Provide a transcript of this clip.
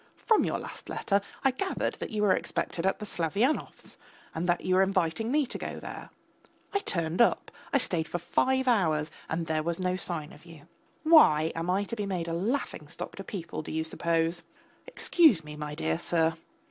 From your last letter I gathered that you were expected at the Slavyanovs', that you were inviting me to go there; I turned up, I stayed for five hours and there was no sign of you. Why, am I to be made a laughing stock to people, do you suppose? Excuse me, my dear sir